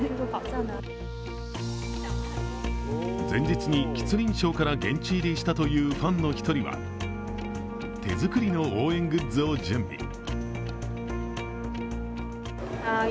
前日に吉林省から現地入りしたというファンの一人は手作りの応援グッズを準備。